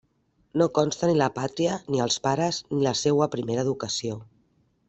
No consta ni la pàtria, ni els pares, ni la seua primera educació.